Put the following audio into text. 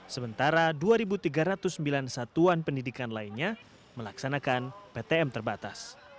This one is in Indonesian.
sementara dua tiga ratus sembilan satuan pendidikan lainnya melaksanakan ptm terbatas